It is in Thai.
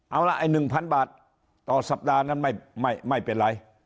เอาล่ะไอ้๑๐๐บาทต่อสัปดาห์นั้นไม่เป็นไร